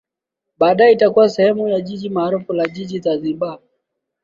Baadae itakuwa sehemu ya jiji maarufu la Jiji la Zanzibar